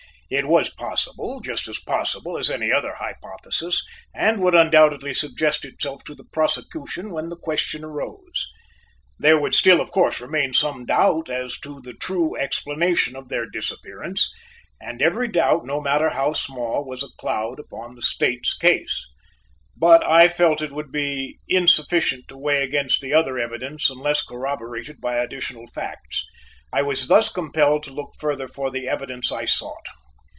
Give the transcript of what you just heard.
It was possible, just as possible as any other hypothesis, and would undoubtedly suggest itself to the prosecution when the question arose. There would still, of course, remain some doubt as to the true explanation of their disappearance; and every doubt, no matter how small, was a cloud upon the State's case; but I felt it would be insufficient to weigh against the other evidence unless corroborated by additional facts. I was thus compelled to look further for the evidence I sought.